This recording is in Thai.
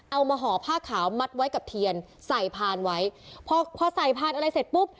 ห่อผ้าขาวมัดไว้กับเทียนใส่พานไว้พอพอใส่พานอะไรเสร็จปุ๊บ